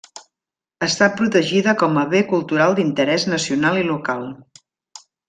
Està protegida com a Bé cultural d'interès nacional i local.